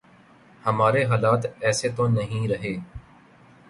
ہمارے حالات ایسے تو نہیں رہے۔